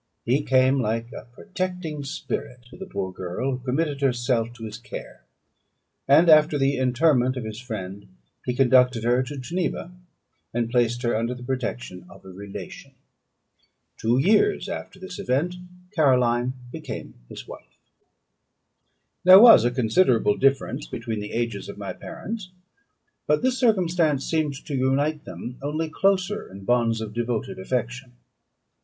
He came like a protecting spirit to the poor girl, who committed herself to his care; and after the interment of his friend, he conducted her to Geneva, and placed her under the protection of a relation. Two years after this event Caroline became his wife. There was a considerable difference between the ages of my parents, but this circumstance seemed to unite them only closer in bonds of devoted affection.